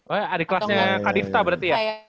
oh ya adik kelasnya kadifta berarti ya